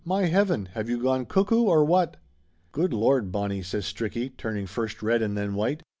My heaven, have you gone cuckoo, or what?" "Good Lord, Bonnie !" says Stricky, turning first red and then white.